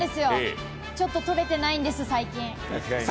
ちょっと取れてないんです、最近。